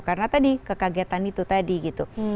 karena tadi kekagetan itu tadi gitu